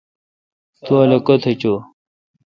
تو الو کیتھ چوں ۔